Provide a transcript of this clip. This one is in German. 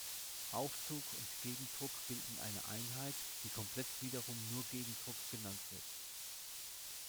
Aufzug und Gegendruck bilden eine Einheit, die komplett wiederum nur Gegendruck genannt wird.